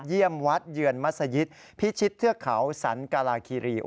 เยี่ยมวัดเยือนมัศยิตพิชิตเทือกเขาสันกาลาคีรี